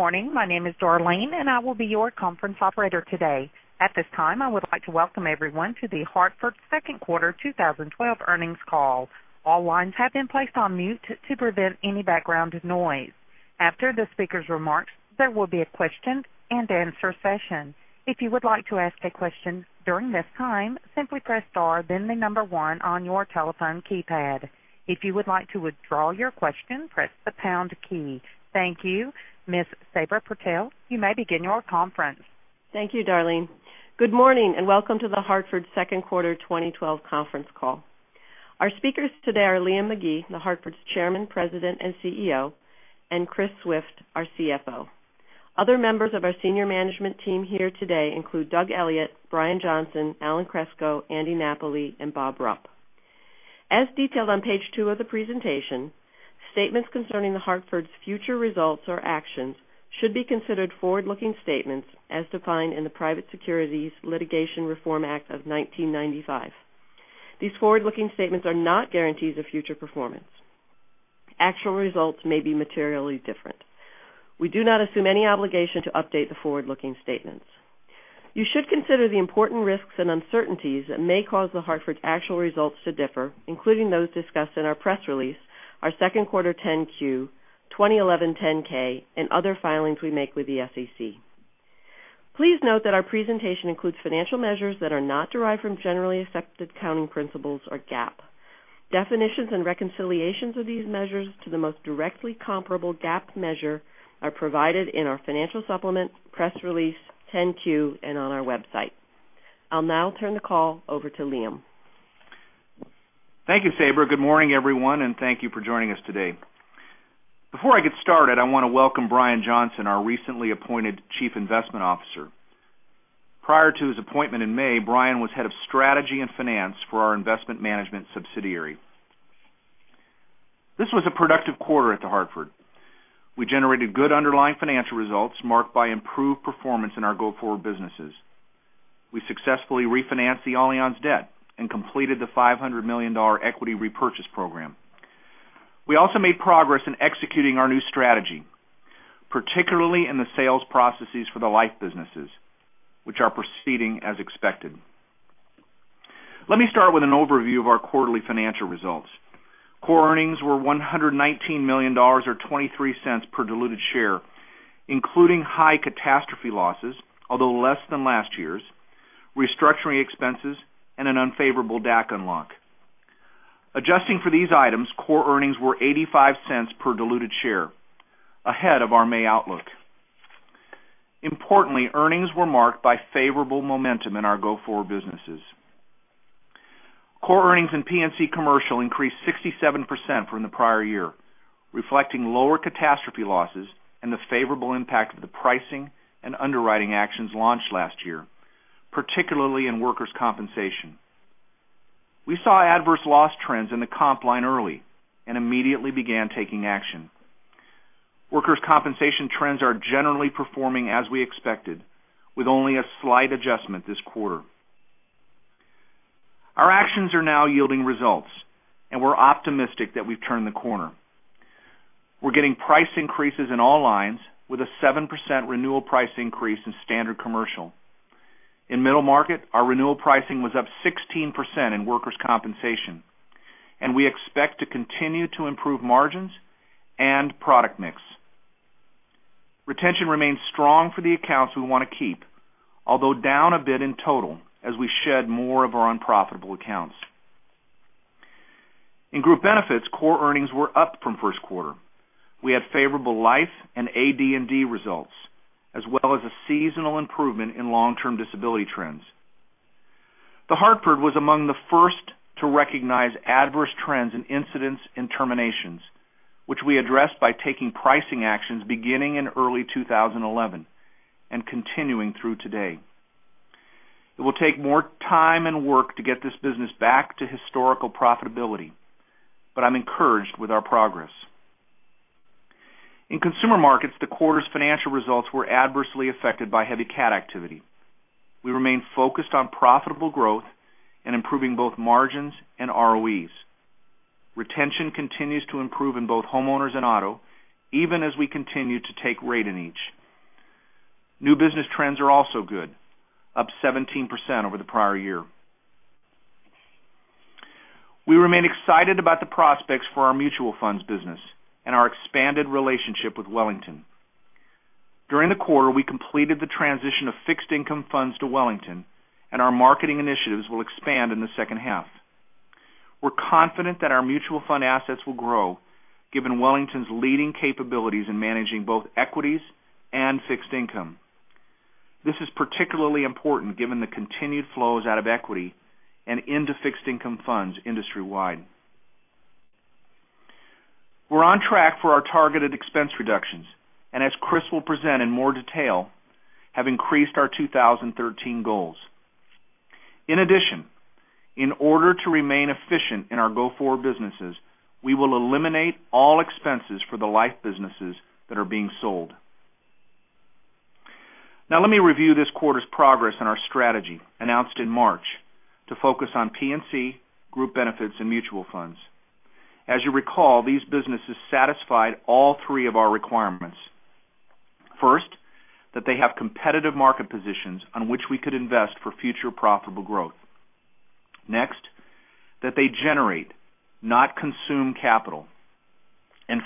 Good morning. My name is Darlene, and I will be your conference operator today. At this time, I would like to welcome everyone to The Hartford's second quarter 2012 earnings call. All lines have been placed on mute to prevent any background noise. After the speakers' remarks, there will be a question and answer session. If you would like to ask a question during this time, simply press star, then the number one on your telephone keypad. If you would like to withdraw your question, press the pound key. Thank you. Ms. Sabra Purtell, you may begin your conference. Thank you, Darlene. Good morning and welcome to The Hartford's second quarter 2012 conference call. Our speakers today are Liam McGee, The Hartford's Chairman, President, and CEO, and Chris Swift, our CFO. Other members of our senior management team here today include Doug Elliot, Brion Johnson, Alan Kreczko, Andy Napoli, and Bob Rupp. As detailed on page two of the presentation, statements concerning The Hartford's future results or actions should be considered forward-looking statements as defined in the Private Securities Litigation Reform Act of 1995. These forward-looking statements are not guarantees of future performance. Actual results may be materially different. We do not assume any obligation to update the forward-looking statements. You should consider the important risks and uncertainties that may cause The Hartford actual results to differ, including those discussed in our press release, our second quarter 10-Q, 2011 10-K, and other filings we make with the SEC. Please note that our presentation includes financial measures that are not derived from generally accepted accounting principles, or GAAP. Definitions and reconciliations of these measures to the most directly comparable GAAP measure are provided in our financial supplement, press release, 10-Q, and on our website. I'll now turn the call over to Liam. Thank you, Sabra. Good morning, everyone, and thank you for joining us today. Before I get started, I want to welcome Brion Johnson, our recently appointed Chief Investment Officer. Prior to his appointment in May, Brion was head of strategy and finance for our investment management subsidiary. This was a productive quarter at The Hartford. We generated good underlying financial results marked by improved performance in our go-forward businesses. We successfully refinanced the Allianz debt and completed the $500 million equity repurchase program. We also made progress in executing our new strategy, particularly in the sales processes for the life businesses, which are proceeding as expected. Let me start with an overview of our quarterly financial results. Core earnings were $119 million, or $0.23 per diluted share, including high catastrophe losses, although less than last year's, restructuring expenses, and an unfavorable DAC unlock. Adjusting for these items, core earnings were $0.85 per diluted share, ahead of our May outlook. Importantly, earnings were marked by favorable momentum in our go-forward businesses. Core earnings in P&C Commercial increased 67% from the prior year, reflecting lower catastrophe losses and the favorable impact of the pricing and underwriting actions launched last year, particularly in workers' compensation. We saw adverse loss trends in the comp line early and immediately began taking action. Workers' compensation trends are generally performing as we expected, with only a slight adjustment this quarter. Our actions are now yielding results, and we're optimistic that we've turned the corner. We're getting price increases in all lines with a 7% renewal price increase in standard commercial. In middle market, our renewal pricing was up 16% in workers' compensation, and we expect to continue to improve margins and product mix. Retention remains strong for the accounts we want to keep, although down a bit in total as we shed more of our unprofitable accounts. In group benefits, core earnings were up from first quarter. We had favorable life and AD&D results, as well as a seasonal improvement in long-term disability trends. The Hartford was among the first to recognize adverse trends in incidents and terminations, which we addressed by taking pricing actions beginning in early 2011 and continuing through today. It will take more time and work to get this business back to historical profitability, but I'm encouraged with our progress. In Consumer Markets, the quarter's financial results were adversely affected by heavy CAT activity. We remain focused on profitable growth and improving both margins and ROEs. Retention continues to improve in both homeowners and auto, even as we continue to take rate in each. New business trends are also good, up 17% over the prior year. We remain excited about the prospects for our mutual funds business and our expanded relationship with Wellington. During the quarter, we completed the transition of fixed income funds to Wellington, our marketing initiatives will expand in the second half. We're confident that our mutual fund assets will grow given Wellington's leading capabilities in managing both equities and fixed income. This is particularly important given the continued flows out of equity and into fixed income funds industry-wide. We're on track for our targeted expense reductions, as Chris will present in more detail, have increased our 2013 goals. In addition, in order to remain efficient in our go-forward businesses, we will eliminate all expenses for the life businesses that are being sold. Now let me review this quarter's progress on our strategy, announced in March, to focus on P&C, group benefits, and mutual funds. As you recall, these businesses satisfied all three of our requirements. First, that they have competitive market positions on which we could invest for future profitable growth. Next, that they generate, not consume capital,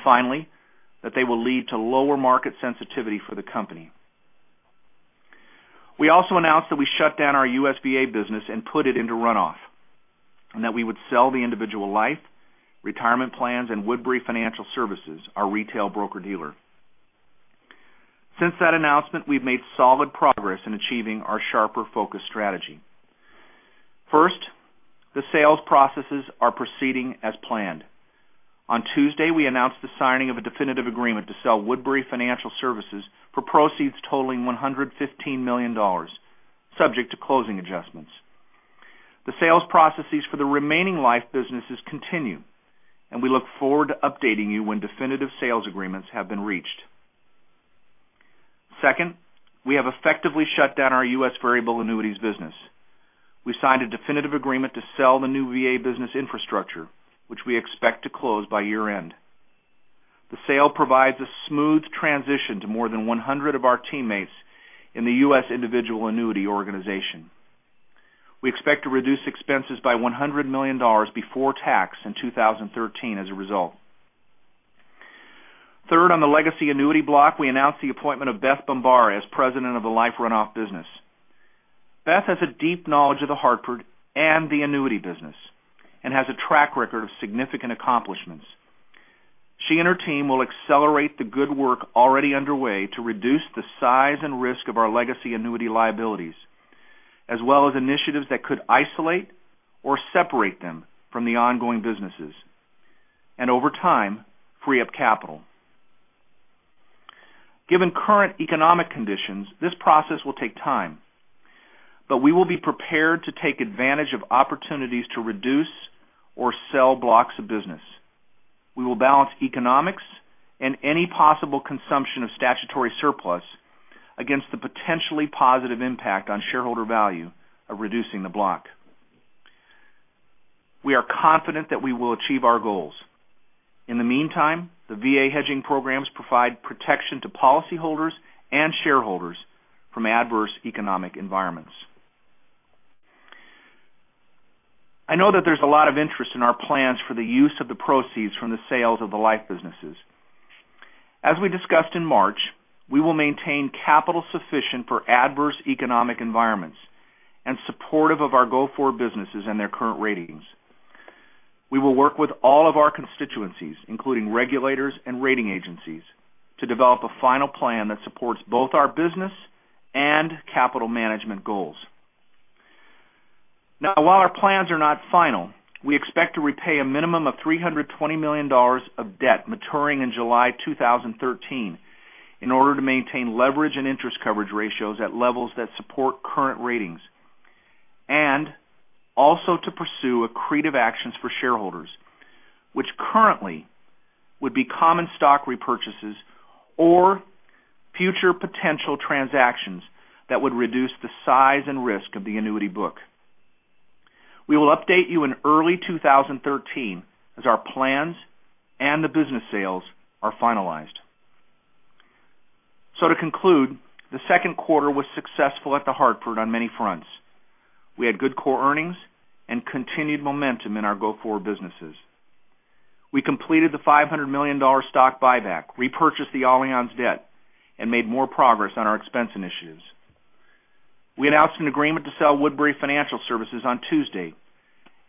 finally, that they will lead to lower market sensitivity for the company. We also announced that we shut down our U.S. VA business and put it into runoff, that we would sell the individual life, retirement plans, and Woodbury Financial Services, our retail broker-dealer. Since that announcement, we've made solid progress in achieving our sharper focus strategy. First, the sales processes are proceeding as planned. On Tuesday, we announced the signing of a definitive agreement to sell Woodbury Financial Services for proceeds totaling $115 million, subject to closing adjustments. The sales processes for the remaining life businesses continue. We look forward to updating you when definitive sales agreements have been reached. Second, we have effectively shut down our U.S. variable annuities business. We signed a definitive agreement to sell the new VA business infrastructure, which we expect to close by year-end. The sale provides a smooth transition to more than 100 of our teammates in the U.S. individual annuity organization. We expect to reduce expenses by $100 million before tax in 2013 as a result. Third, on the legacy annuity block, we announced the appointment of Beth Bombara as president of the life runoff business. Beth has a deep knowledge of The Hartford and the annuity business and has a track record of significant accomplishments. She and her team will accelerate the good work already underway to reduce the size and risk of our legacy annuity liabilities, as well as initiatives that could isolate or separate them from the ongoing businesses and over time, free up capital. Given current economic conditions, this process will take time. We will be prepared to take advantage of opportunities to reduce or sell blocks of business. We will balance economics and any possible consumption of statutory surplus against the potentially positive impact on shareholder value of reducing the block. We are confident that we will achieve our goals. In the meantime, the VA hedging programs provide protection to policyholders and shareholders from adverse economic environments. I know that there's a lot of interest in our plans for the use of the proceeds from the sales of the life businesses. As we discussed in March, we will maintain capital sufficient for adverse economic environments and supportive of our go-forward businesses and their current ratings. We will work with all of our constituencies, including regulators and rating agencies, to develop a final plan that supports both our business and capital management goals. While our plans are not final, we expect to repay a minimum of $320 million of debt maturing in July 2013 in order to maintain leverage and interest coverage ratios at levels that support current ratings, and also to pursue accretive actions for shareholders, which currently would be common stock repurchases or future potential transactions that would reduce the size and risk of the annuity book. We will update you in early 2013 as our plans and the business sales are finalized. To conclude, the second quarter was successful at The Hartford on many fronts. We had good core earnings and continued momentum in our go-forward businesses. We completed the $500 million stock buyback, repurchased the Allianz debt, and made more progress on our expense initiatives. We announced an agreement to sell Woodbury Financial Services on Tuesday.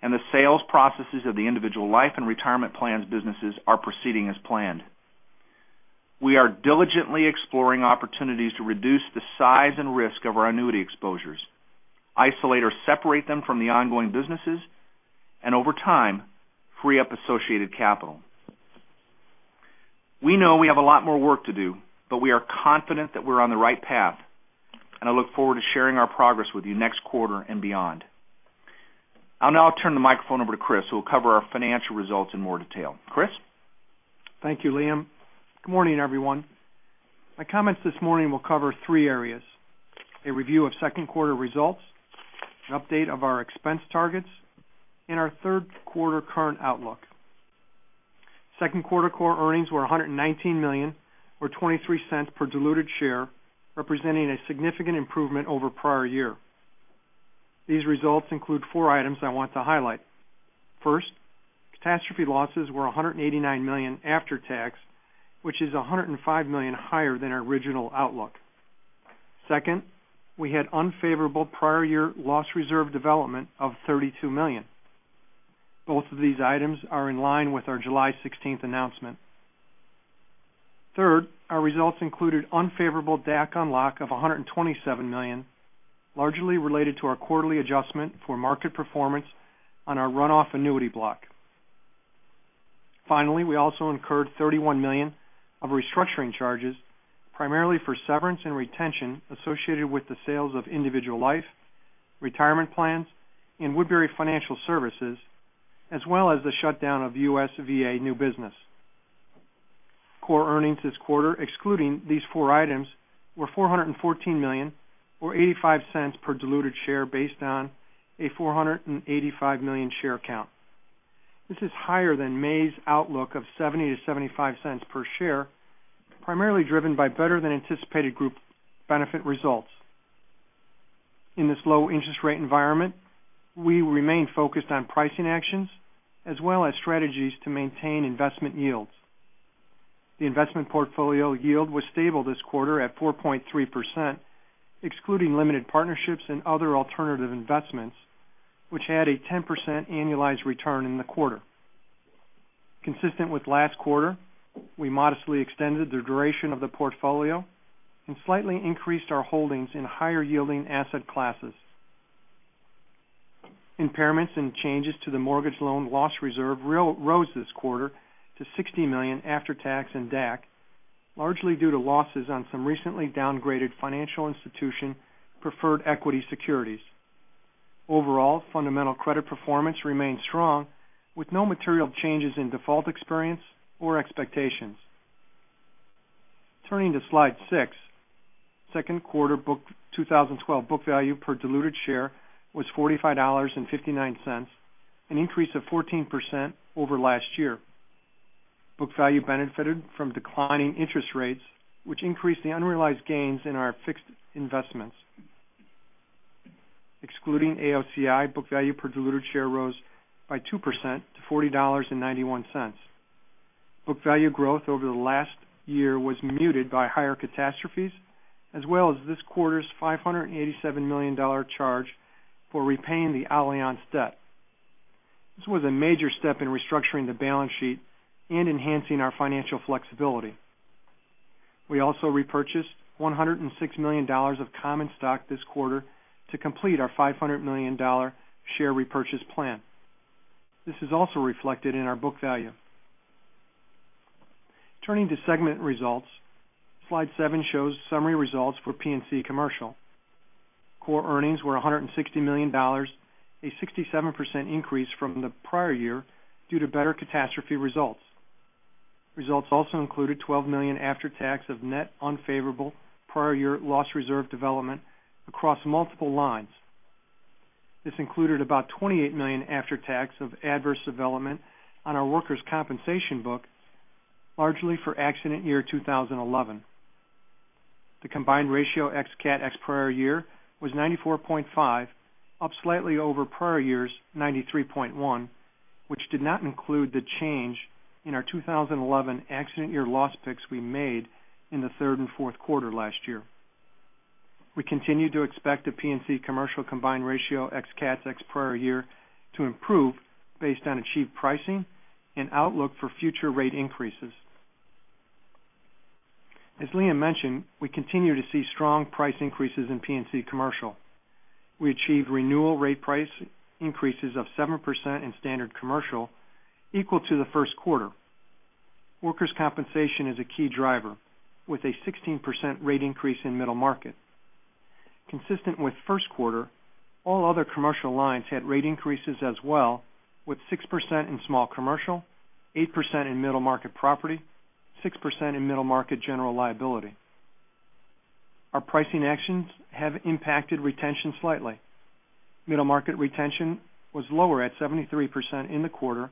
The sales processes of the individual life and retirement plans businesses are proceeding as planned. We are diligently exploring opportunities to reduce the size and risk of our annuity exposures, isolate or separate them from the ongoing businesses, and over time, free up associated capital. We know we have a lot more work to do, but we are confident that we're on the right path, and I look forward to sharing our progress with you next quarter and beyond. I'll now turn the microphone over to Chris, who will cover our financial results in more detail. Chris? Thank you, Liam. Good morning, everyone. My comments this morning will cover three areas: a review of second quarter results, an update of our expense targets, and our third quarter current outlook. Second quarter core earnings were $119 million, or $0.23 per diluted share, representing a significant improvement over prior year. These results include four items I want to highlight. First, catastrophe losses were $189 million after tax, which is $105 million higher than our original outlook. Second, we had unfavorable prior year loss reserve development of $32 million. Both of these items are in line with our July 16th announcement. Third, our results included unfavorable DAC unlock of $127 million, largely related to our quarterly adjustment for market performance on our runoff annuity block. We also incurred $31 million of restructuring charges, primarily for severance and retention associated with the sales of individual life, retirement plans, and Woodbury Financial Services, as well as the shutdown of U.S. VA new business. Core earnings this quarter, excluding these four items, were $414 million, or $0.85 per diluted share based on a 485 million share count. This is higher than May's outlook of $0.70-$0.75 per share, primarily driven by better than anticipated group benefit results. In this low interest rate environment, we remain focused on pricing actions as well as strategies to maintain investment yields. The investment portfolio yield was stable this quarter at 4.3%, excluding limited partnerships and other alternative investments, which had a 10% annualized return in the quarter. Consistent with last quarter, we modestly extended the duration of the portfolio and slightly increased our holdings in higher yielding asset classes. Impairments and changes to the mortgage loan loss reserve rose this quarter to $60 million after tax and DAC, largely due to losses on some recently downgraded financial institution preferred equity securities. Overall, fundamental credit performance remains strong, with no material changes in default experience or expectations. Turning to slide six, second quarter 2012 book value per diluted share was $45.59, an increase of 14% over last year. Book value benefited from declining interest rates, which increased the unrealized gains in our fixed investments. Excluding AOCI, book value per diluted share rose by 2% to $40.91. Book value growth over the last year was muted by higher catastrophes, as well as this quarter's $587 million charge for repaying the Allianz debt. This was a major step in restructuring the balance sheet and enhancing our financial flexibility. We also repurchased $106 million of common stock this quarter to complete our $500 million share repurchase plan. This is also reflected in our book value. Turning to segment results, slide seven shows summary results for P&C Commercial. Core earnings were $160 million, a 67% increase from the prior year due to better catastrophe results. Results also included $12 million after tax of net unfavorable prior year loss reserve development across multiple lines. This included about $28 million after tax of adverse development on our workers' compensation book, largely for accident year 2011. The combined ratio ex-cat, ex-prior year was 94.5, up slightly over prior year's 93.1, which did not include the change in our 2011 accident year loss picks we made in the third and fourth quarter last year. We continue to expect a P&C Commercial combined ratio ex-CATs, ex-prior year to improve based on achieved pricing and outlook for future rate increases. As Liam mentioned, we continue to see strong price increases in P&C Commercial. We achieved renewal rate price increases of 7% in standard commercial, equal to the first quarter. Workers' compensation is a key driver, with a 16% rate increase in middle market. Consistent with first quarter, all other commercial lines had rate increases as well, with 6% in small commercial, 8% in middle market property, 6% in middle market general liability. Our pricing actions have impacted retention slightly. Middle market retention was lower at 73% in the quarter,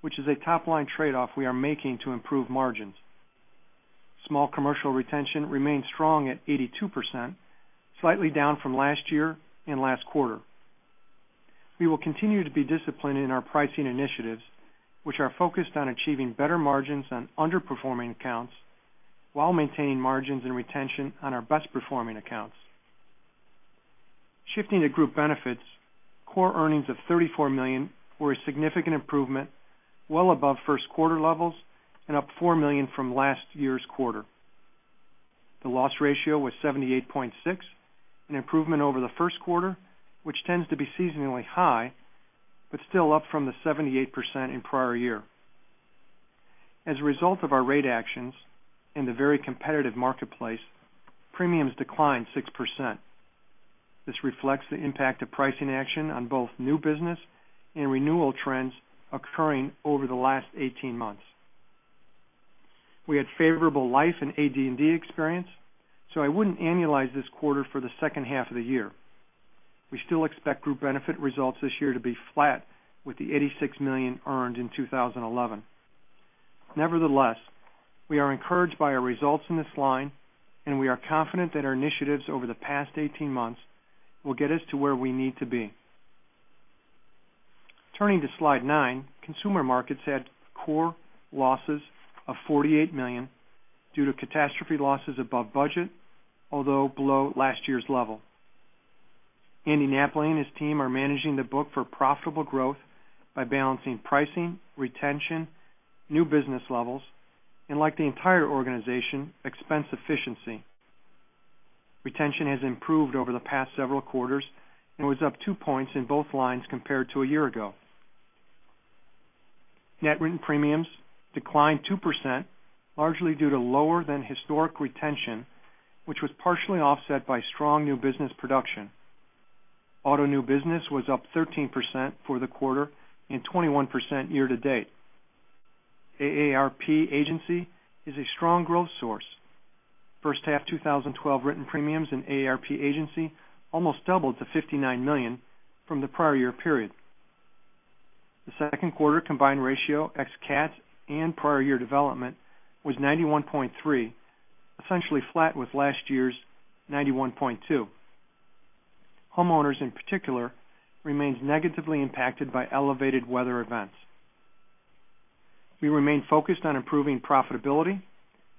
which is a top-line trade-off we are making to improve margins. Small commercial retention remains strong at 82%, slightly down from last year and last quarter. We will continue to be disciplined in our pricing initiatives, which are focused on achieving better margins on underperforming accounts while maintaining margins and retention on our best performing accounts. Shifting to group benefits, core earnings of $34 million were a significant improvement, well above first quarter levels and up $4 million from last year's quarter. The loss ratio was 78.6%, an improvement over the first quarter, which tends to be seasonally high, but still up from the 78% in prior year. As a result of our rate actions and the very competitive marketplace, premiums declined 6%. This reflects the impact of pricing action on both new business and renewal trends occurring over the last 18 months. We had favorable life and AD&D experience, so I wouldn't annualize this quarter for the second half of the year. We still expect group benefit results this year to be flat with the $86 million earned in 2011. We are encouraged by our results in this line, and we are confident that our initiatives over the past 18 months will get us to where we need to be. Turning to slide nine, consumer markets had core losses of $48 million due to catastrophe losses above budget, although below last year's level. Andy Napoli and his team are managing the book for profitable growth by balancing pricing, retention, new business levels, and like the entire organization, expense efficiency. Retention has improved over the past several quarters and was up two points in both lines compared to a year ago. Net written premiums declined 2%, largely due to lower than historic retention, which was partially offset by strong new business production. Auto new business was up 13% for the quarter and 21% year to date. AARP agency is a strong growth source. First half 2012 written premiums in AARP agency almost doubled to $59 million from the prior year period. The second quarter combined ratio ex-CAT and prior year development was 91.3%, essentially flat with last year's 91.2%. Homeowners in particular remains negatively impacted by elevated weather events. We remain focused on improving profitability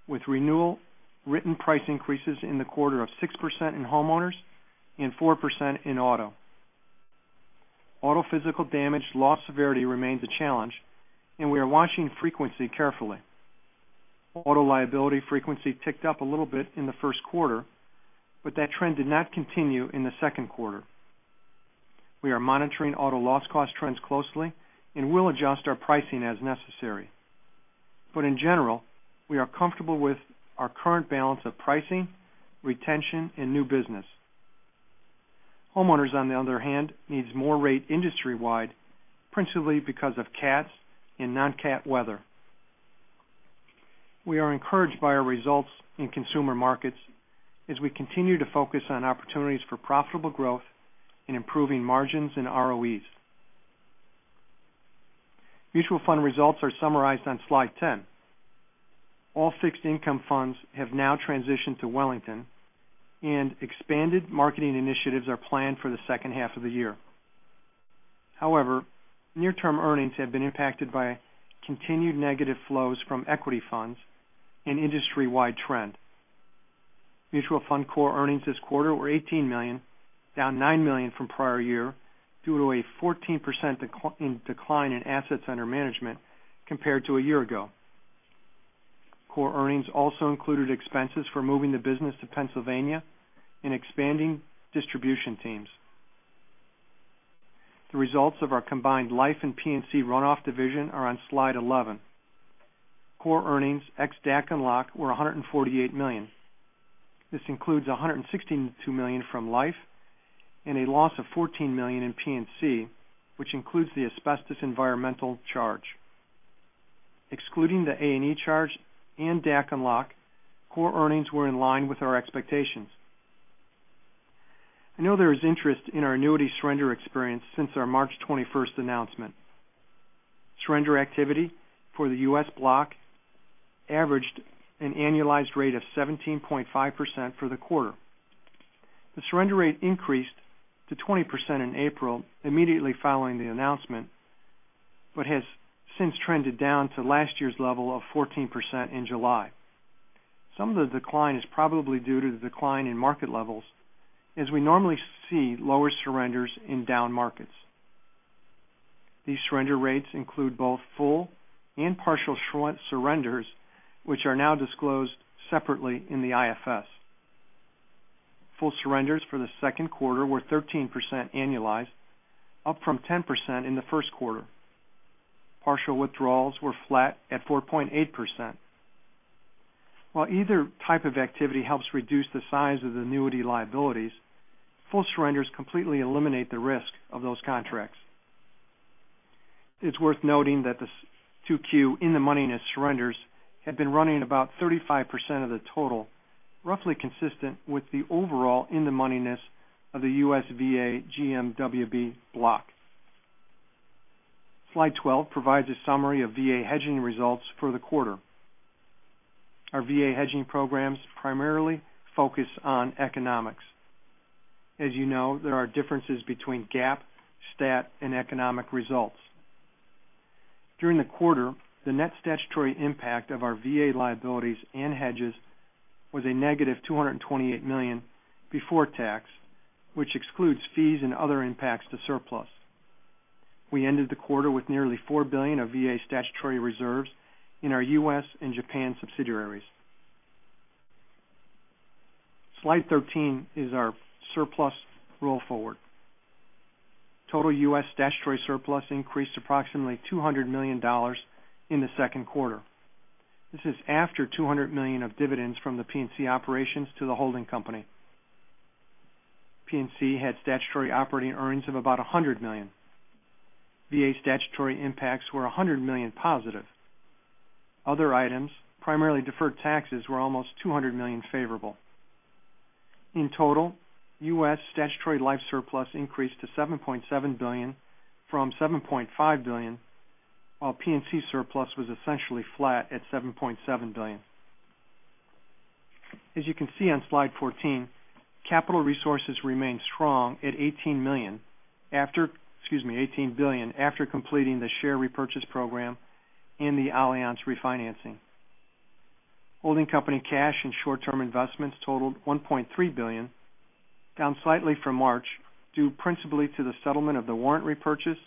with renewal written price increases in the quarter of 6% in homeowners and 4% in auto. Auto physical damage loss severity remains a challenge, and we are watching frequency carefully. Auto liability frequency ticked up a little bit in the first quarter, that trend did not continue in the second quarter. We are monitoring auto loss cost trends closely and will adjust our pricing as necessary. In general, we are comfortable with our current balance of pricing, retention, and new business. Homeowners, on the other hand, needs more rate industry-wide, principally because of CATs and non-CAT weather. We are encouraged by our results in consumer markets as we continue to focus on opportunities for profitable growth and improving margins and ROEs. Mutual fund results are summarized on slide 10. All fixed income funds have now transitioned to Wellington, and expanded marketing initiatives are planned for the second half of the year. However, near-term earnings have been impacted by continued negative flows from equity funds, an industry-wide trend. Mutual fund core earnings this quarter were $18 million, down $9 million from prior year, due to a 14% decline in assets under management compared to a year ago. Core earnings also included expenses for moving the business to Pennsylvania and expanding distribution teams. The results of our combined life and P&C runoff division are on slide 11. Core earnings, ex-DAC and LOC, were $148 million. This includes $162 million from life and a loss of $14 million in P&C, which includes the asbestos environmental charge. Excluding the A&E charge and DAC and LOC, core earnings were in line with our expectations. I know there is interest in our annuity surrender experience since our March 21st announcement. Surrender activity for the U.S. block averaged an annualized rate of 17.5% for the quarter. The surrender rate increased to 20% in April immediately following the announcement, but has since trended down to last year's level of 14% in July. Some of the decline is probably due to the decline in market levels, as we normally see lower surrenders in down markets. These surrender rates include both full and partial surrenders, which are now disclosed separately in the IFS. Full surrenders for the second quarter were 13% annualized, up from 10% in the first quarter. Partial withdrawals were flat at 4.8%. While either type of activity helps reduce the size of the annuity liabilities, full surrenders completely eliminate the risk of those contracts. It's worth noting that the 2Q in-the-moneyness surrenders have been running about 35% of the total, roughly consistent with the overall in-the-moneyness of the U.S. VA GMWB block. Slide 12 provides a summary of VA hedging results for the quarter. Our VA hedging programs primarily focus on economics. As you know, there are differences between GAAP, STAT, and economic results. During the quarter, the net statutory impact of our VA liabilities and hedges was a negative $228 million before tax, which excludes fees and other impacts to surplus. We ended the quarter with nearly $4 billion of VA statutory reserves in our U.S. and Japan subsidiaries. Slide 13 is our surplus roll forward. Total U.S. statutory surplus increased approximately $200 million in the second quarter. This is after $200 million of dividends from the P&C operations to the holding company. P&C had statutory operating earnings of about $100 million. VA statutory impacts were $100 million positive. Other items, primarily deferred taxes, were almost $200 million favorable. In total, U.S. statutory life surplus increased to $7.7 billion from $7.5 billion, while P&C surplus was essentially flat at $7.7 billion. As you can see on slide 14, capital resources remain strong at $18 billion after completing the share repurchase program and the Allianz refinancing. Holding company cash and short-term investments totaled $1.3 billion, down slightly from March, due principally to the settlement of the warrant repurchase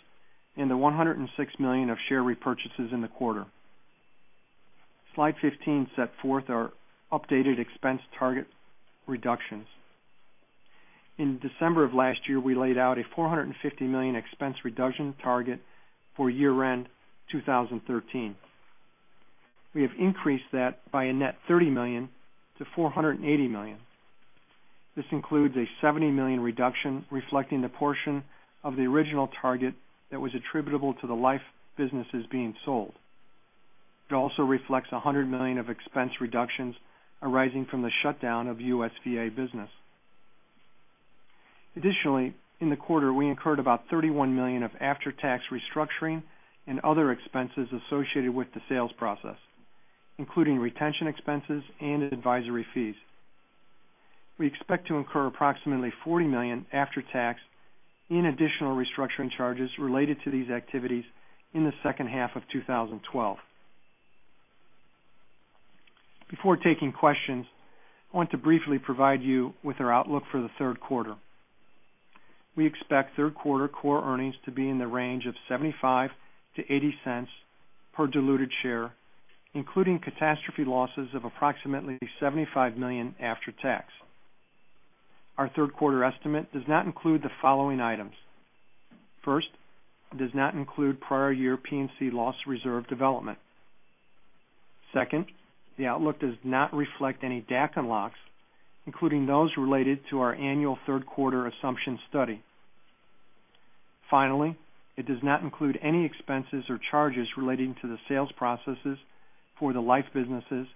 in the $106 million of share repurchases in the quarter. Slide 15 set forth our updated expense target reductions. In December of last year, we laid out a $450 million expense reduction target for year-end 2013. We have increased that by a net $30 million to $480 million. This includes a $70 million reduction, reflecting the portion of the original target that was attributable to the life businesses being sold. It also reflects $100 million of expense reductions arising from the shutdown of USVA business. Additionally, in the quarter, we incurred about $31 million of after-tax restructuring and other expenses associated with the sales process, including retention expenses and advisory fees. We expect to incur approximately $40 million after tax in additional restructuring charges related to these activities in the second half of 2012. Before taking questions, I want to briefly provide you with our outlook for the third quarter. We expect third quarter core earnings to be in the range of $0.75-$0.80 per diluted share, including catastrophe losses of approximately $75 million after tax. Our third quarter estimate does not include the following items. First, it does not include prior year P&C loss reserve development. Second, the outlook does not reflect any DAC unlocks, including those related to our annual third quarter assumption study. Finally, it does not include any expenses or charges relating to the sales processes for the life businesses,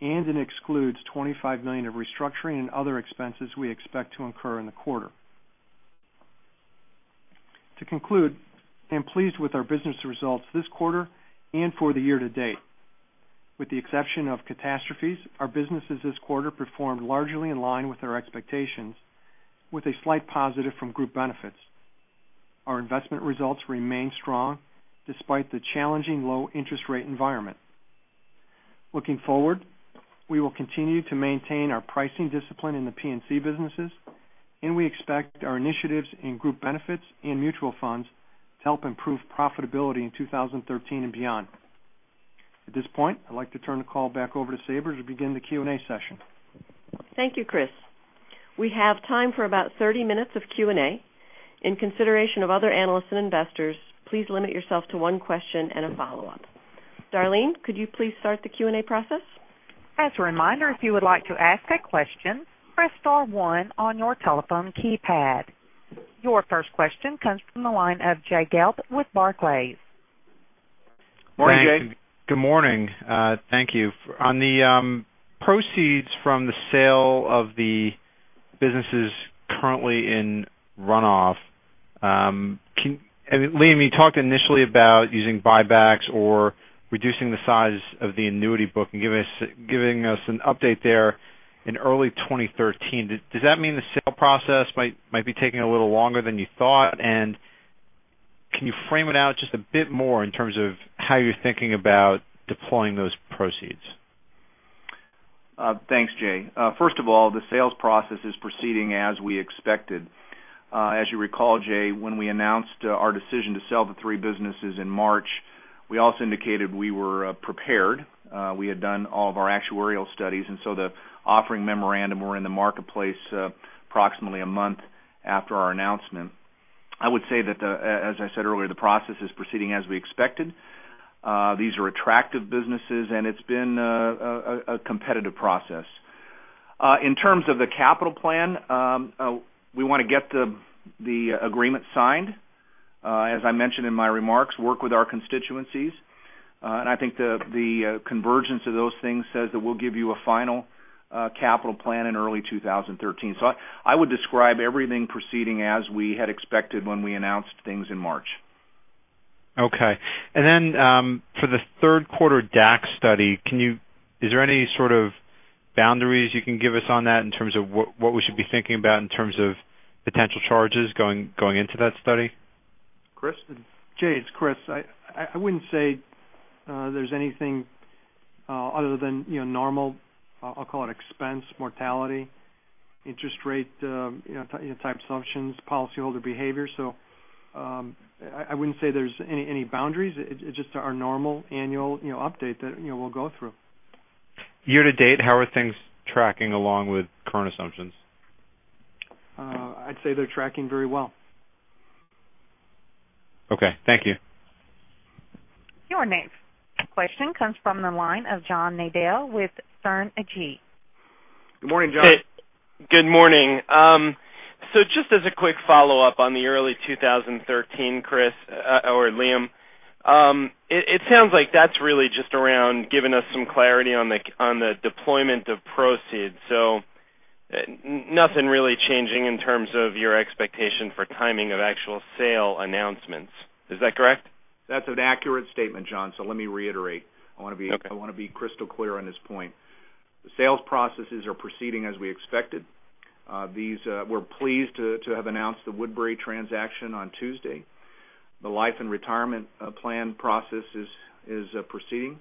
and it excludes $25 million of restructuring and other expenses we expect to incur in the quarter. To conclude, I'm pleased with our business results this quarter and for the year to date. With the exception of catastrophes, our businesses this quarter performed largely in line with our expectations, with a slight positive from group benefits. Our investment results remain strong despite the challenging low interest rate environment. Looking forward, we will continue to maintain our pricing discipline in the P&C businesses, and we expect our initiatives in group benefits and mutual funds to help improve profitability in 2013 and beyond. At this point, I'd like to turn the call back over to Sabra to begin the Q&A session. Thank you, Chris. We have time for about 30 minutes of Q&A. In consideration of other analysts and investors, please limit yourself to one question and a follow-up. Darlene, could you please start the Q&A process? As a reminder, if you would like to ask a question, press star one on your telephone keypad. Your first question comes from the line of Jay Gelb with Barclays. Morning, Jay. Good morning. Thank you. On the proceeds from the sale of the businesses currently in runoff, Liam, you talked initially about using buybacks or reducing the size of the annuity book and giving us an update there in early 2013. Does that mean the sale process might be taking a little longer than you thought? Can you frame it out just a bit more in terms of how you're thinking about deploying those proceeds? Thanks, Jay. First of all, the sales process is proceeding as we expected. As you recall, Jay, when we announced our decision to sell the three businesses in March, we also indicated we were prepared. We had done all of our actuarial studies, the offering memorandum were in the marketplace approximately a month after our announcement. I would say that, as I said earlier, the process is proceeding as we expected. These are attractive businesses, and it's been a competitive process. In terms of the capital plan, we want to get the agreement signed, as I mentioned in my remarks, work with our constituencies. I think the convergence of those things says that we'll give you a final capital plan in early 2013. I would describe everything proceeding as we had expected when we announced things in March. Then for the third quarter DAC study, is there any sort of boundaries you can give us on that in terms of what we should be thinking about in terms of potential charges going into that study? Chris? Jay, it's Chris. I wouldn't say there's anything other than normal, I'll call it expense mortality, interest rate type assumptions, policyholder behavior. I wouldn't say there's any boundaries. It's just our normal annual update that we'll go through. Year to date, how are things tracking along with current assumptions? I'd say they're tracking very well. Okay. Thank you. Your next question comes from the line of John Nadel with Sterne Agee. Good morning, John. Good morning. Just as a quick follow-up on the early 2013, Chris or Liam, it sounds like that's really just around giving us some clarity on the deployment of proceeds. Nothing really changing in terms of your expectation for timing of actual sale announcements. Is that correct? That's an accurate statement, John. Let me reiterate. Okay. I want to be crystal clear on this point. The sales processes are proceeding as we expected. We're pleased to have announced the Woodbury transaction on Tuesday. The life and retirement plan process is proceeding.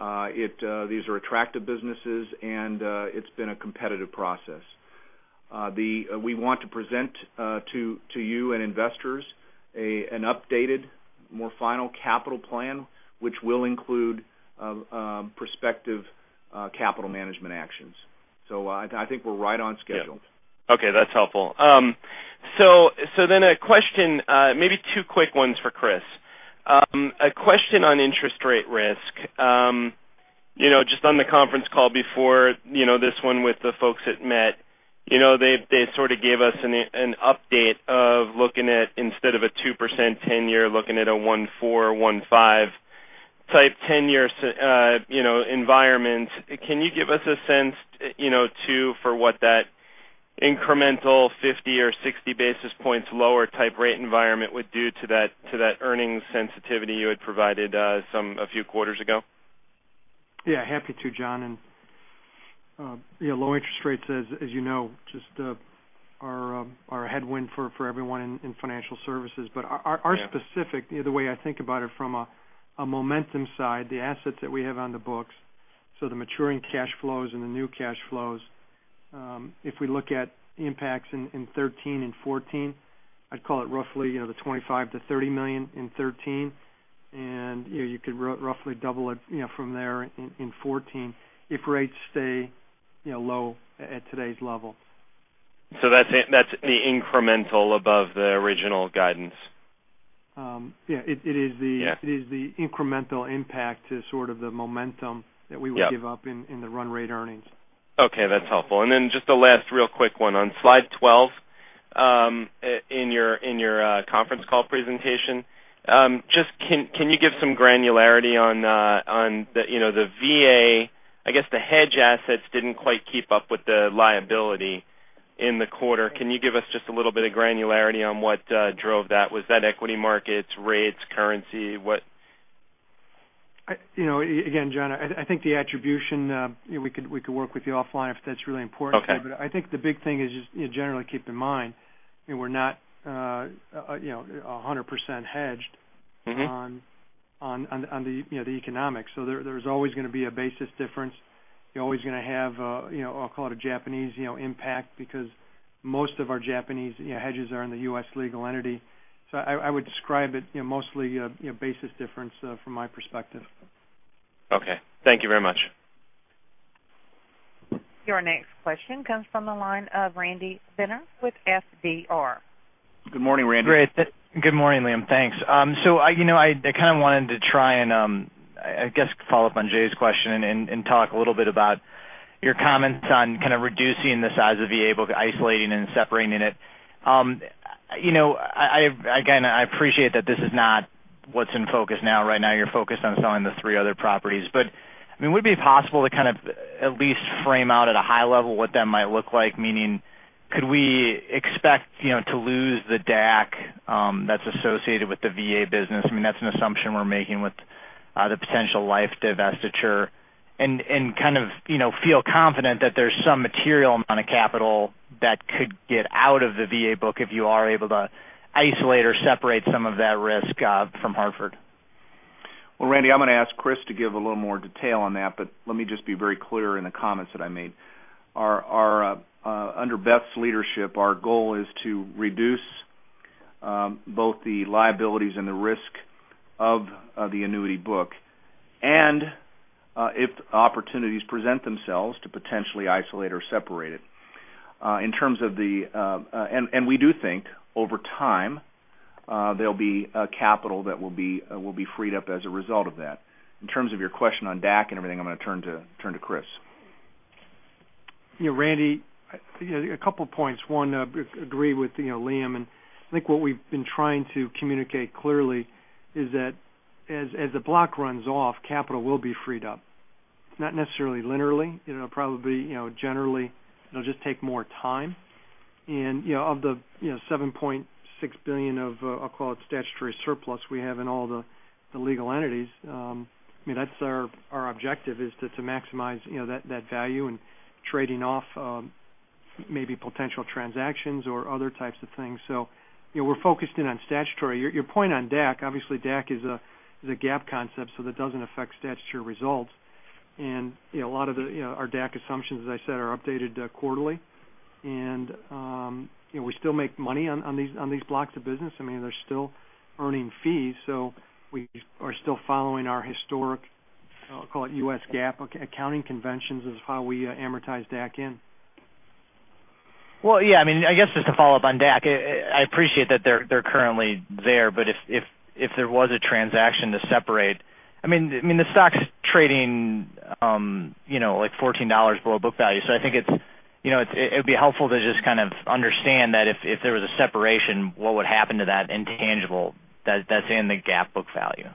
These are attractive businesses, and it's been a competitive process. We want to present to you and investors an updated, more final capital plan, which will include prospective capital management actions. I think we're right on schedule. Okay, that's helpful. A question, maybe two quick ones for Chris. A question on interest rate risk. Just on the conference call before this one with the folks at MetLife, they sort of gave us an update of looking at, instead of a 2% 10-year, looking at a 1.4 or 1.5 type 10-year environment. Can you give us a sense too, for what that incremental 50 or 60 basis points lower type rate environment would do to that earnings sensitivity you had provided a few quarters ago? Yeah, happy to, John. Low interest rates, as you know, just are a headwind for everyone in financial services. Our specific, the way I think about it from a momentum side, the assets that we have on the books, so the maturing cash flows and the new cash flows, if we look at impacts in 2013 and 2014, I'd call it roughly the $25 million-$30 million in 2013, and you could roughly double it from there in 2014 if rates stay low at today's level. that's the incremental above the original guidance? Yeah, it is Yeah it is the incremental impact to sort of the momentum that we Yeah give up in the run rate earnings. Okay, that's helpful. Just the last real quick one. On slide 12 in your conference call presentation, can you give some granularity on the VA? I guess the hedge assets didn't quite keep up with the liability in the quarter. Can you give us just a little bit of granularity on what drove that? Was that equity markets, rates, currency? What? Again, John, I think the attribution, we could work with you offline if that's really important to you. Okay. I think the big thing is just generally keep in mind, we're not 100% hedged on the economics. There's always going to be a basis difference. You're always going to have, I'll call it a Japanese impact because most of our Japanese hedges are in the U.S. legal entity. I would describe it mostly basis difference from my perspective. Okay. Thank you very much. Your next question comes from the line of Randy Binner with FBR. Good morning, Randy. Great. Good morning, Liam. Thanks. I kind of wanted to try and, I guess, follow up on Jay's question and talk a little bit about your comments on kind of reducing the size of VA book, isolating and separating it. Again, I appreciate that this is not what's in focus now. Right now, you're focused on selling the three other properties. Would it be possible to kind of at least frame out at a high level what that might look like? Meaning, could we expect to lose the DAC that's associated with the VA business? That's an assumption we're making with the potential life divestiture. Kind of feel confident that there's some material amount of capital that could get out of the VA book if you are able to isolate or separate some of that risk from The Hartford. Randy, I'm going to ask Chris to give a little more detail on that, but let me just be very clear in the comments that I made. Under Beth's leadership, our goal is to reduce both the liabilities and the risk of the annuity book. If opportunities present themselves to potentially isolate or separate it. We do think over time, there'll be a capital that will be freed up as a result of that. In terms of your question on DAC and everything, I'm going to turn to Chris. Randy, a couple of points. One, agree with Liam, I think what we've been trying to communicate clearly is that as the block runs off, capital will be freed up. Not necessarily linearly. It'll probably, generally, it'll just take more time. Of the $7.6 billion of, I'll call it statutory surplus we have in all the legal entities, that's our objective is to maximize that value and trading off maybe potential transactions or other types of things. We're focused in on statutory. Your point on DAC, obviously DAC is a GAAP concept, so that doesn't affect statutory results. A lot of our DAC assumptions, as I said, are updated quarterly. We still make money on these blocks of business. They're still earning fees, so we are still following our historic, I'll call it U.S. GAAP accounting conventions is how we amortize DAC in. Well, yeah, I guess just to follow up on DAC. I appreciate that they're currently there, but if there was a transaction to separate, the stock is trading like $14 below book value. I think it'd be helpful to just kind of understand that if there was a separation, what would happen to that intangible that's in the GAAP book value?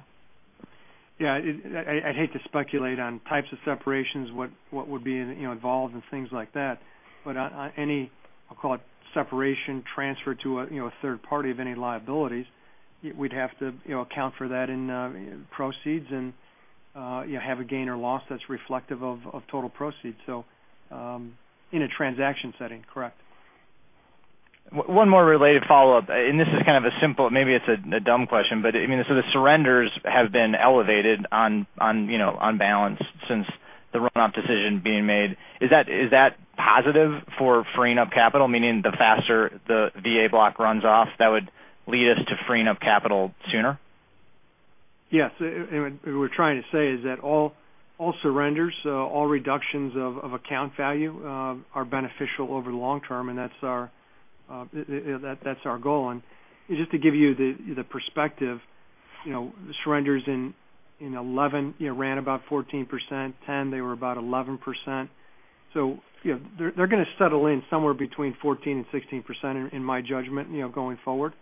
Yeah. I'd hate to speculate on types of separations, what would be involved and things like that. Any, I'll call it separation transfer to a third party of any liabilities, we'd have to account for that in proceeds and have a gain or loss that's reflective of total proceeds. In a transaction setting, correct. One more related follow-up, this is kind of a simple, maybe it's a dumb question, the surrenders have been elevated on balance since the run-off decision being made. Is that positive for freeing up capital? Meaning the faster the VA block runs off, that would lead us to freeing up capital sooner? What we're trying to say is that all surrenders, all reductions of account value, are beneficial over the long term, and that's our goal. Just to give you the perspective, the surrenders in 2011 ran about 14%, 2010 they were about 11%. They're going to settle in somewhere between 14%-16%, in my judgment, going forward.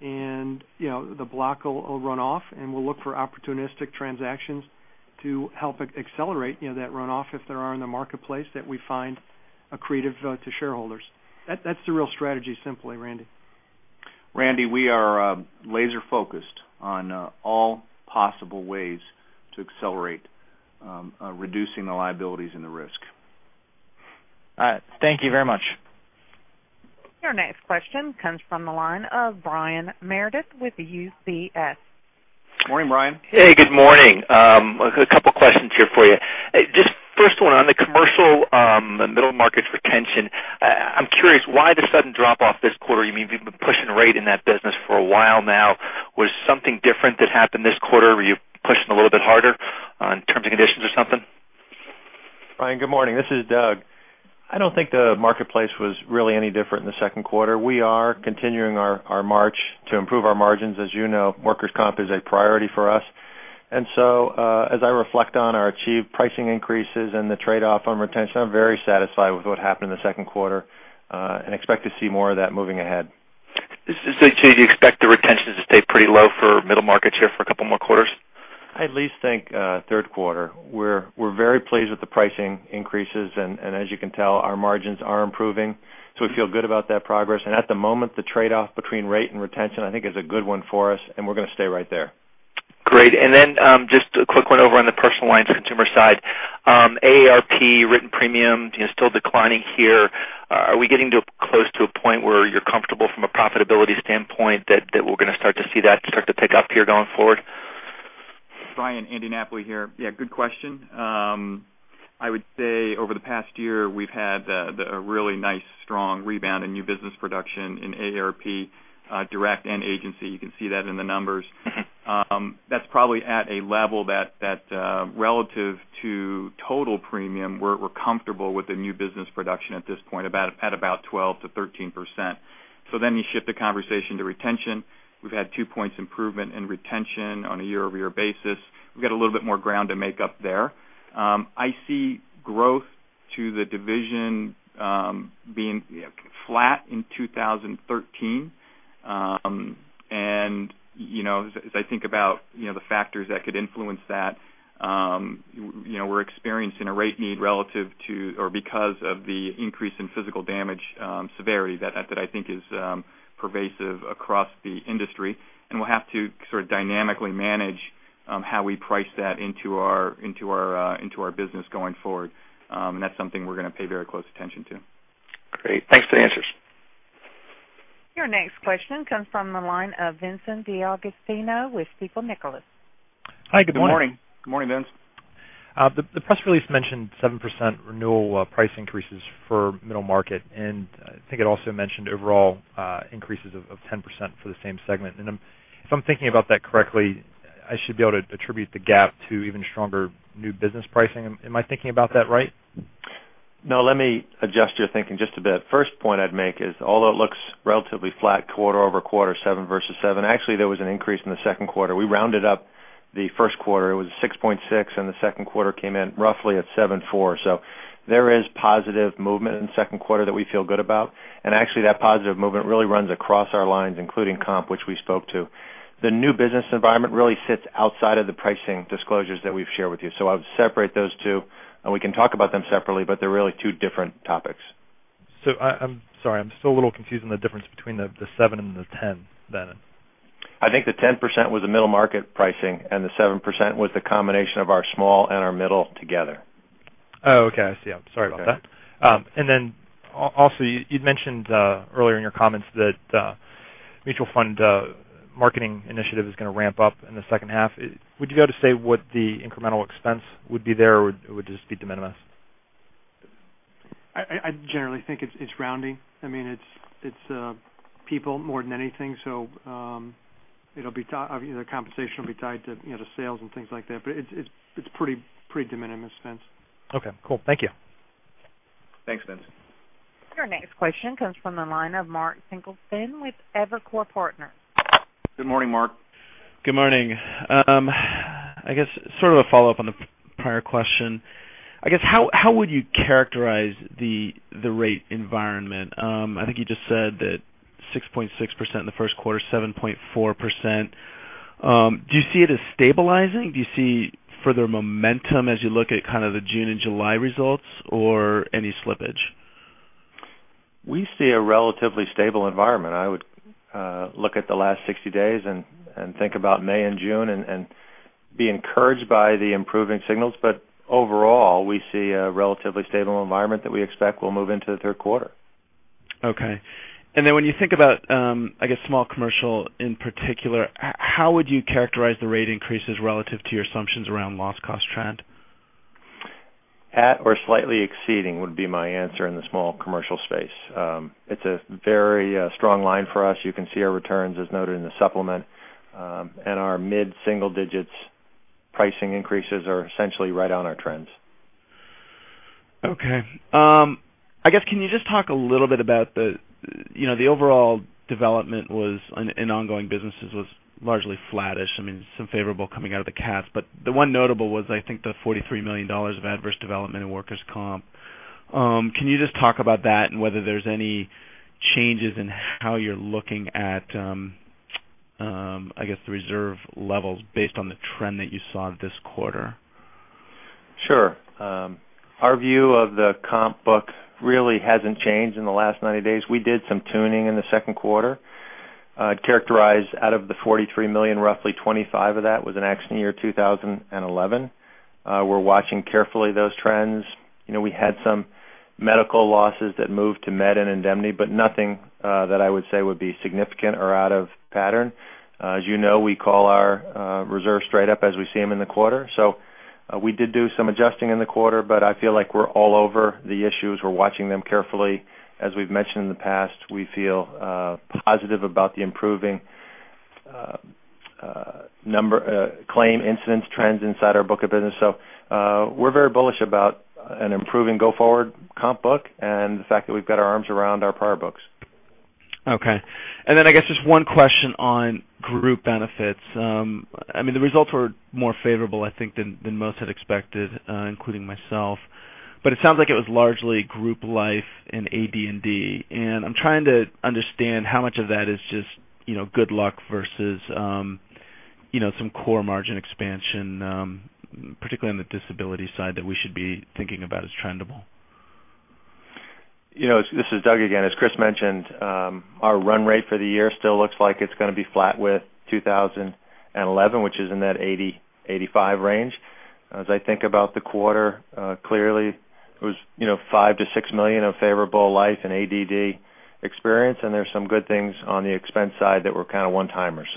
The block will run off, and we'll look for opportunistic transactions to help accelerate that runoff if there are in the marketplace that we find accretive to shareholders. That's the real strategy, simply, Randy. Randy, we are laser-focused on all possible ways to accelerate reducing the liabilities and the risk. All right. Thank you very much. Your next question comes from the line of Brian Meredith with UBS. Morning, Brian. Hey, good morning. A couple of questions here for you. Just first one on the commercial middle markets retention. I'm curious why the sudden drop off this quarter? You've been pushing rate in that business for a while now. Was something different that happened this quarter? Were you pushing a little bit harder on terms and conditions or something? Brian, good morning. This is Doug. I don't think the marketplace was really any different in the second quarter. We are continuing our march to improve our margins. As you know, workers' comp is a priority for us. As I reflect on our achieved pricing increases and the trade-off on retention, I'm very satisfied with what happened in the second quarter, and expect to see more of that moving ahead. You expect the retention to stay pretty low for middle markets here for a couple more quarters? I at least think third quarter. We're very pleased with the pricing increases, and as you can tell, our margins are improving. We feel good about that progress. At the moment, the trade-off between rate and retention, I think, is a good one for us and we're going to stay right there. Great. Just a quick one over on the personal lines consumer side. AARP written premium still declining here. Are we getting close to a point where you're comfortable from a profitability standpoint that we're going to start to see that start to pick up here going forward? Brian, Andy Napoli here. Good question. I would say over the past year, we've had a really nice, strong rebound in new business production in AARP Direct and Agency. You can see that in the numbers. That's probably at a level that relative to total premium, we're comfortable with the new business production at this point at about 12%-13%. You shift the conversation to retention. We've had two points improvement in retention on a year-over-year basis. We've got a little bit more ground to make up there. I see growth to the division being flat in 2013. As I think about the factors that could influence that, we're experiencing a rate need relative to or because of the increase in physical damage severity that I think is pervasive across the industry, and we'll have to sort of dynamically manage how we price that into our business going forward. That's something we're going to pay very close attention to. Great. Thanks for the answers. Your next question comes from the line of Vincent D'Agostino with Stifel Nicolaus. Hi, good morning. Good morning. Good morning, Vince. The press release mentioned 7% renewal price increases for middle market. I think it also mentioned overall increases of 10% for the same segment. If I'm thinking about that correctly, I should be able to attribute the gap to even stronger new business pricing. Am I thinking about that right? No, let me adjust your thinking just a bit. First point I'd make is, although it looks relatively flat quarter-over-quarter 7 versus 7, actually, there was an increase in the second quarter. We rounded up the first quarter. It was 6.6, and the second quarter came in roughly at 7.4. There is positive movement in the second quarter that we feel good about. Actually, that positive movement really runs across our lines, including comp, which we spoke to. The new business environment really sits outside of the pricing disclosures that we've shared with you. I would separate those two, and we can talk about them separately, but they're really two different topics. I'm sorry, I'm still a little confused on the difference between the 7 and the 10 then. I think the 10% was the middle market pricing. The 7% was the combination of our small and our middle together. Oh, okay. I see. I'm sorry about that. Okay. Also, you'd mentioned earlier in your comments that mutual fund marketing initiative is going to ramp up in the second half. Would you be able to say what the incremental expense would be there, or would just be de minimis? I generally think it's rounding. It's people more than anything. The compensation will be tied to the sales and things like that, but it's pretty de minimis expense. Okay, cool. Thank you. Thanks, Vince. Your next question comes from the line of Mark Singleton with Evercore Partners. Good morning, Mark. Good morning. I guess sort of a follow-up on the prior question. I guess how would you characterize the rate environment? I think you just said that 6.6% in the first quarter, 7.4%. Do you see it as stabilizing? Do you see further momentum as you look at kind of the June and July results or any slippage? We see a relatively stable environment. I would look at the last 60 days and think about May and June and be encouraged by the improving signals. Overall, we see a relatively stable environment that we expect will move into the third quarter. Okay. When you think about, I guess, small commercial in particular, how would you characterize the rate increases relative to your assumptions around loss cost trend? At or slightly exceeding would be my answer in the small commercial space. It's a very strong line for us. You can see our returns as noted in the supplement, our mid-single digits pricing increases are essentially right on our trends. Okay. I guess, can you just talk a little bit about the overall development in ongoing businesses was largely flattish. Some favorable coming out of the CATs, the one notable was, I think, the $43 million of adverse development in workers' comp. Can you just talk about that and whether there's any changes in how you're looking at, I guess, the reserve levels based on the trend that you saw this quarter? Sure. Our view of the comp book really hasn't changed in the last 90 days. We did some tuning in the second quarter. I'd characterize out of the $43 million, roughly $25 of that was in accident year 2011. We're watching carefully those trends. We had some medical losses that moved to med and indemnity, but nothing that I would say would be significant or out of pattern. As you know, we call our reserve straight up as we see them in the quarter. We did do some adjusting in the quarter, but I feel like we're all over the issues. We're watching them carefully. As we've mentioned in the past, we feel positive about the improving claim incidence trends inside our book of business. We're very bullish about an improving go-forward comp book and the fact that we've got our arms around our prior books. Okay. I guess just one question on group benefits. The results were more favorable, I think, than most had expected, including myself. It sounds like it was largely group life and AD&D, and I'm trying to understand how much of that is just good luck versus some core margin expansion, particularly on the disability side, that we should be thinking about as trendable. This is Doug again. As Chris mentioned, our run rate for the year still looks like it's going to be flat with 2011, which is in that 80-85 range. As I think about the quarter, clearly it was $5 million-$6 million of favorable life and AD&D experience, and there's some good things on the expense side that were kind of one-timers.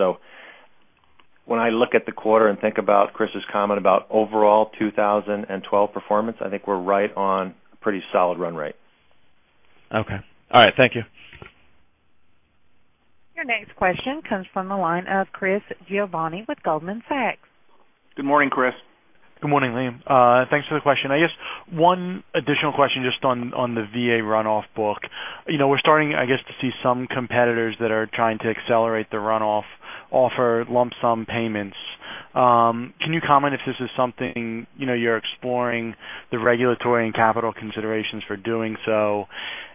When I look at the quarter and think about Chris's comment about overall 2012 performance, I think we're right on a pretty solid run rate. Okay. All right. Thank you. Your next question comes from the line of Chris Giovanni with Goldman Sachs. Good morning, Chris. Good morning, Liam. Thanks for the question. I guess one additional question just on the VA runoff book. We're starting, I guess, to see some competitors that are trying to accelerate the runoff offer lump sum payments. Can you comment if this is something you're exploring the regulatory and capital considerations for doing so?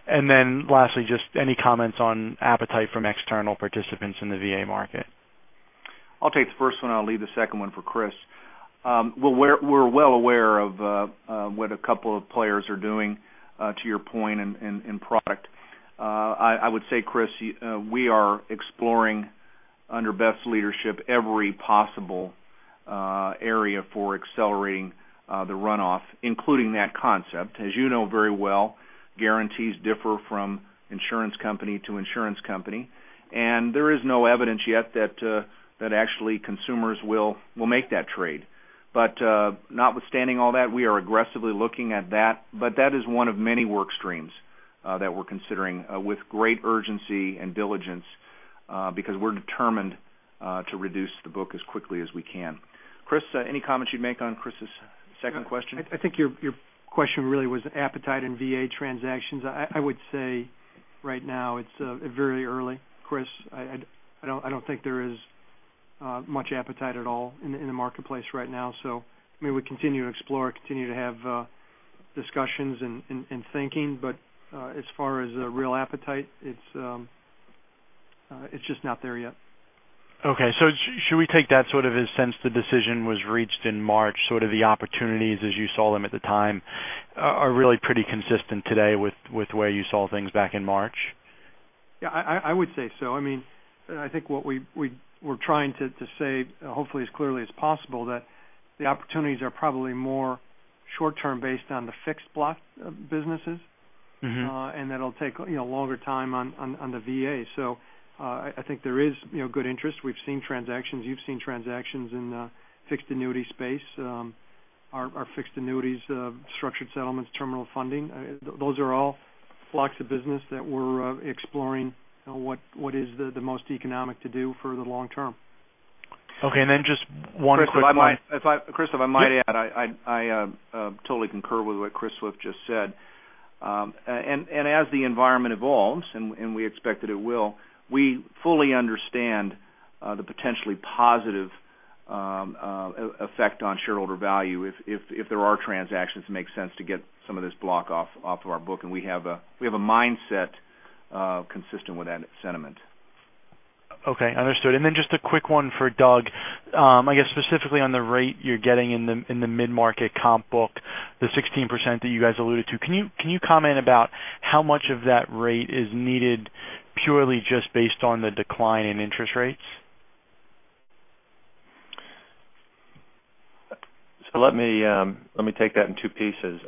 Lastly, just any comments on appetite from external participants in the VA market? I'll take the first one. I'll leave the second one for Chris. We're well aware of what a couple of players are doing to your point in product. I would say, Chris, we are exploring under Beth's leadership every possible area for accelerating the runoff, including that concept. As you know very well, guarantees differ from insurance company to insurance company, and there is no evidence yet that actually consumers will make that trade. Notwithstanding all that, we are aggressively looking at that, but that is one of many work streams that we're considering with great urgency and diligence because we're determined to reduce the book as quickly as we can. Chris, any comments you'd make on Chris's second question? I think your question really was appetite in VA transactions. I would say right now it's very early, Chris. I don't think there is much appetite at all in the marketplace right now. We would continue to explore, continue to have discussions and thinking. As far as a real appetite, it's just not there yet. Should we take that sort of as since the decision was reached in March, sort of the opportunities as you saw them at the time are really pretty consistent today with the way you saw things back in March? Yeah, I would say so. I think what we're trying to say, hopefully as clearly as possible, that the opportunities are probably more short-term based on the fixed block of businesses. That'll take longer time on the VA. I think there is good interest. We've seen transactions, you've seen transactions in the fixed annuity space. Our fixed annuities, structured settlements, terminal funding, those are all blocks of business that we're exploring what is the most economic to do for the long term. Okay, just one quick. Chris, if I might add, I totally concur with what Chris Swift just said. As the environment evolves, and we expect that it will, we fully understand the potentially positive effect on shareholder value if there are transactions that make sense to get some of this block off of our book, we have a mindset consistent with that sentiment. Okay, understood. Just a quick one for Doug. I guess specifically on the rate you're getting in the mid-market comp book, the 16% that you guys alluded to. Can you comment about how much of that rate is needed purely just based on the decline in interest rates? Let me take that in two pieces.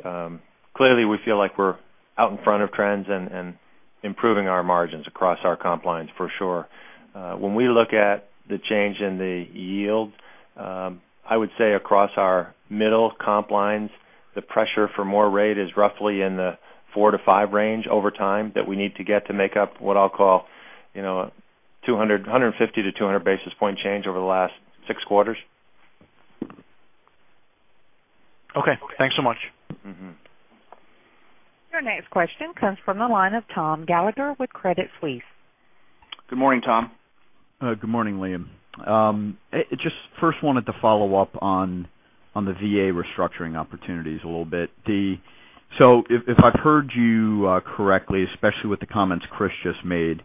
Clearly, we feel like we're out in front of trends and Improving our margins across our comp lines for sure. When we look at the change in the yield, I would say across our middle comp lines, the pressure for more rate is roughly in the four to five range over time that we need to get to make up what I'll call 150 to 200 basis point change over the last six quarters. Okay. Thanks so much. Your next question comes from the line of Tom Gallagher with Credit Suisse. Good morning, Tom. Good morning, Liam. Just first wanted to follow up on the VA restructuring opportunities a little bit. If I've heard you correctly, especially with the comments Chris just made,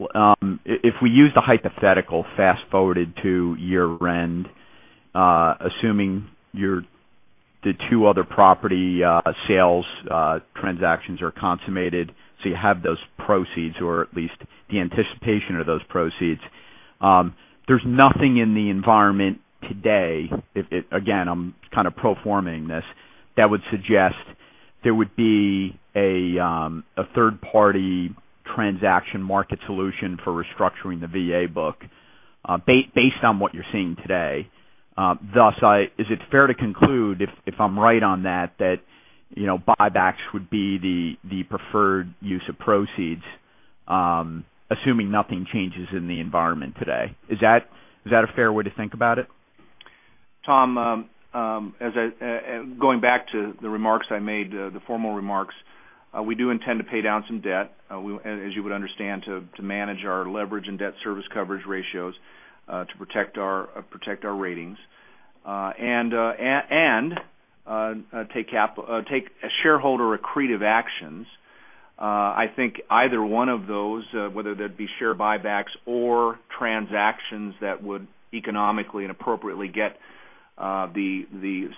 if we use the hypothetical fast-forwarded to year-end, assuming the two other property sales transactions are consummated, so you have those proceeds or at least the anticipation of those proceeds. There's nothing in the environment today, again, I'm kind of pro forming this, that would suggest there would be a third-party transaction market solution for restructuring the VA book based on what you're seeing today. Is it fair to conclude, if I'm right on that buybacks would be the preferred use of proceeds, assuming nothing changes in the environment today? Is that a fair way to think about it? Tom, going back to the remarks I made, the formal remarks, we do intend to pay down some debt, as you would understand, to manage our leverage and debt service coverage ratios to protect our ratings. Take shareholder accretive actions. I think either one of those, whether they'd be share buybacks or transactions that would economically and appropriately get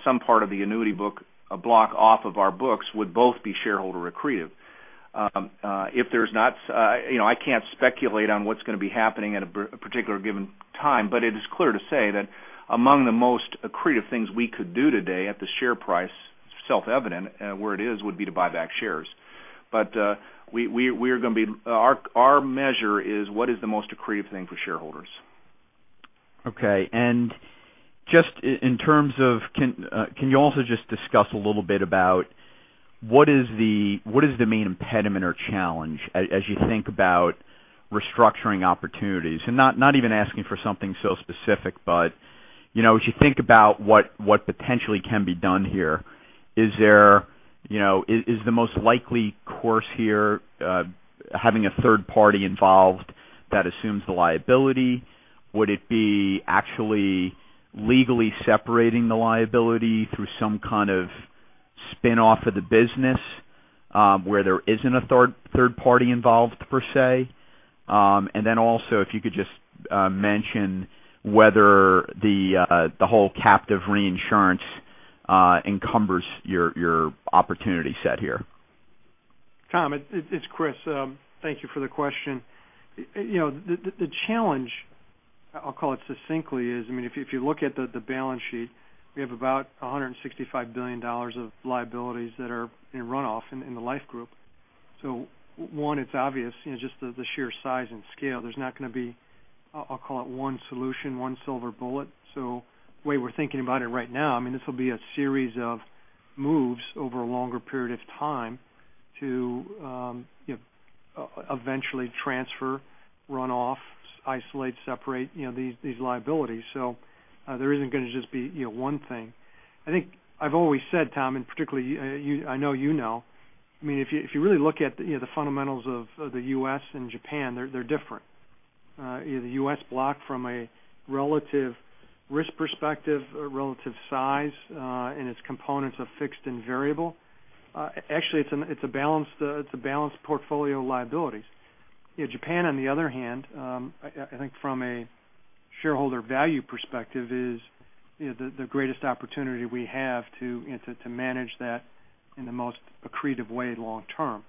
some part of the annuity book block off of our books, would both be shareholder accretive. I can't speculate on what's going to be happening at a particular given time, but it is clear to say that among the most accretive things we could do today at the share price, self-evident, where it is, would be to buy back shares. Our measure is what is the most accretive thing for shareholders. Okay. Just in terms of, can you also just discuss a little bit about what is the main impediment or challenge as you think about restructuring opportunities? I'm not even asking for something so specific, but as you think about what potentially can be done here, is the most likely course here having a third party involved that assumes the liability? Would it be actually legally separating the liability through some kind of spin-off of the business where there isn't a third party involved, per se? If you could just mention whether the whole captive reinsurance encumbers your opportunity set here. Tom, it's Chris. Thank you for the question. The challenge, I'll call it succinctly, is if you look at the balance sheet, we have about $165 billion of liabilities that are in runoff in the life group. One, it's obvious, just the sheer size and scale. There's not going to be, I'll call it one solution, one silver bullet. The way we're thinking about it right now, this will be a series of moves over a longer period of time to eventually transfer, run off, isolate, separate these liabilities. There isn't going to just be one thing. I think I've always said, Tom, and particularly I know you know, if you really look at the fundamentals of the U.S. and Japan, they're different. The U.S. block from a relative risk perspective, a relative size in its components of fixed and variable. Actually, it's a balanced portfolio of liabilities. Japan, on the other hand, I think from a shareholder value perspective, is the greatest opportunity we have to manage that in the most accretive way long term.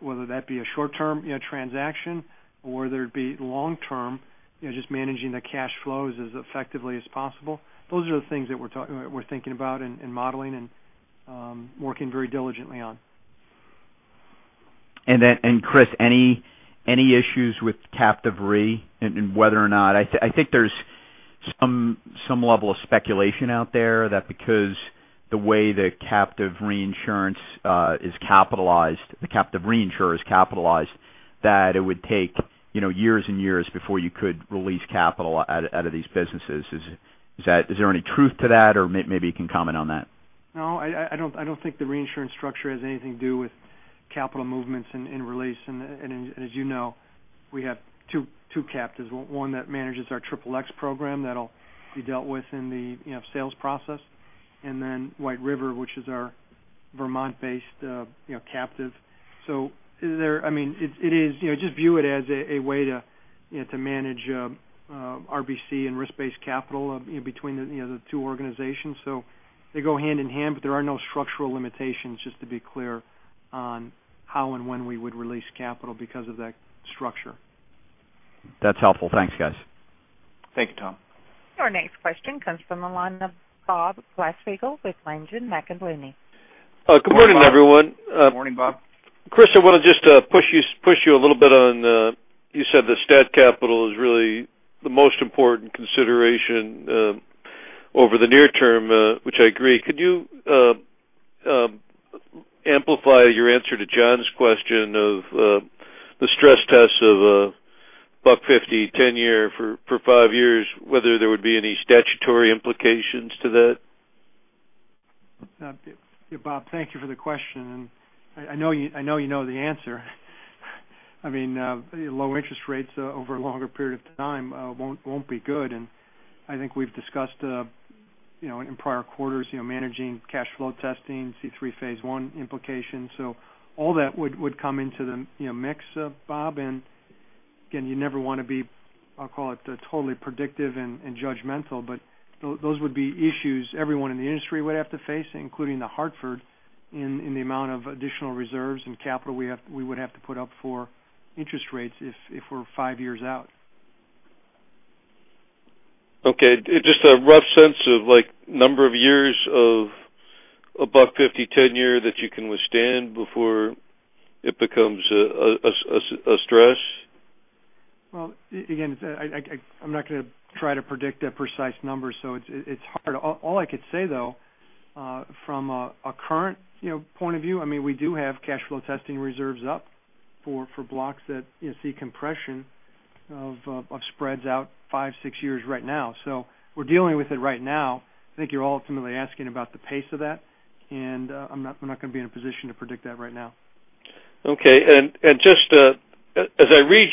Whether that be a short-term transaction or whether it be long term, just managing the cash flows as effectively as possible. Those are the things that we're thinking about and modeling and working very diligently on. Chris, any issues with captive re and whether or not-- I think there's some level of speculation out there that because the way the captive reinsurance is capitalized, the captive reinsurer is capitalized, that it would take years and years before you could release capital out of these businesses. Is there any truth to that, or maybe you can comment on that? No, I don't think the reinsurance structure has anything to do with capital movements in relation. As you know, we have two captives, one that manages our XXX program that'll be dealt with in the sales process, and then White River, which is our Vermont-based captive. Just view it as a way to manage RBC and risk-based capital between the two organizations. They go hand in hand, but there are no structural limitations, just to be clear, on how and when we would release capital because of that structure. That's helpful. Thanks, guys. Thank you, Tom. Your next question comes from the line of Bob Glasspiegel with Langen McAlenney. Good morning, everyone. Morning, Bob. Chris, I want to just push you a little bit on, you said that STAT capital is really the most important consideration over the near term, which I agree. Could you amplify your answer to John's question of the stress test of a $1.50, 10-year for five years, whether there would be any statutory implications to that? Yeah, Bob, thank you for the question, and I know you know the answer. Low interest rates over a longer period of time won't be good. I think we've discussed in prior quarters, managing cash flow testing, C-3 Phase I implications. All that would come into the mix, Bob. Again, you never want to be, I'll call it, totally predictive and judgmental. Those would be issues everyone in the industry would have to face, including The Hartford, in the amount of additional reserves and capital we would have to put up for interest rates if we're five years out. Okay, just a rough sense of number of years of a $1.50, 10-year that you can withstand before it becomes a stress? Well, again, I'm not going to try to predict a precise number, so it's hard. All I could say, though, from a current point of view, we do have cash flow testing reserves up for blocks that see compression of spreads out five, six years right now. We're dealing with it right now. I think you're all ultimately asking about the pace of that, and I'm not going to be in a position to predict that right now. Okay. As I read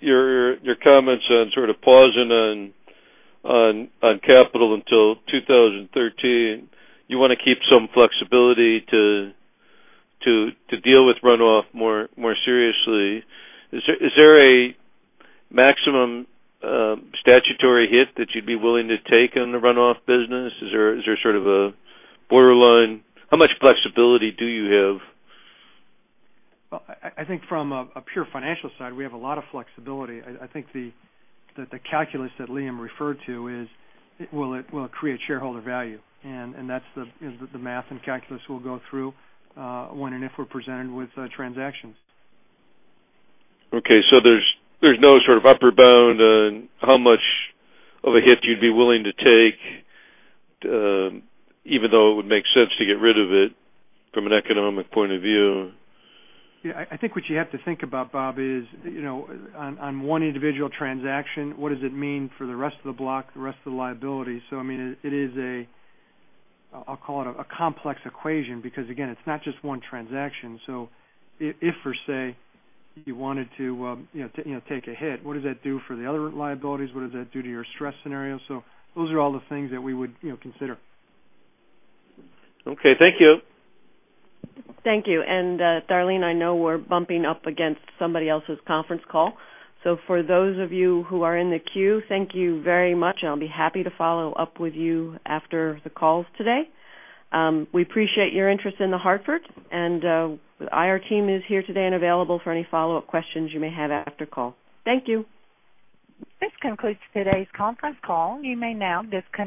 your comments on sort of pausing on capital until 2013, you want to keep some flexibility to deal with runoff more seriously. Is there a maximum statutory hit that you'd be willing to take on the runoff business? Is there sort of a borderline? How much flexibility do you have? I think from a pure financial side, we have a lot of flexibility. I think that the calculus that Liam referred to is will it create shareholder value? That's the math and calculus we'll go through when and if we're presented with transactions. There's no sort of upper bound on how much of a hit you'd be willing to take, even though it would make sense to get rid of it from an economic point of view. Yeah. I think what you have to think about, Bob, is on one individual transaction, what does it mean for the rest of the block, the rest of the liability? It is a, I'll call it, a complex equation because again, it's not just one transaction. If, for say, you wanted to take a hit, what does that do for the other liabilities? What does that do to your stress scenario? Those are all the things that we would consider. Okay, thank you. Thank you. Darlene, I know we're bumping up against somebody else's conference call. For those of you who are in the queue, thank you very much, and I'll be happy to follow up with you after the calls today. We appreciate your interest in The Hartford and our team is here today and available for any follow-up questions you may have after call. Thank you. This concludes today's conference call. You may now disconnect.